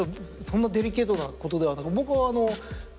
そんなデリケートなこと。